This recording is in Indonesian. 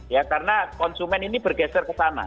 ya karena konsumen ini bergeser ke sana